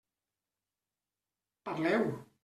Parleu.